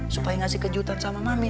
supaya ngasih kejutan sama mami